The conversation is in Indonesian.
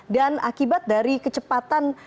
dan akibat dari kecepatan